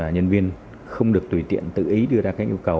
nhân viên không được tùy tiện tự ý đưa ra các yêu cầu